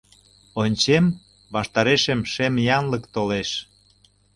Ончем, ваштарешем шем янлык толеш.